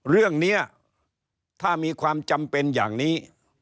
เรื่องนี้ถ้ามีความจำเป็นอย่างนี้